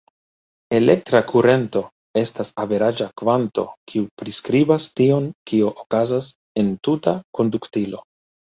Elektra kurento estas averaĝa kvanto, kiu priskribas tion kio okazas en tuta konduktilo.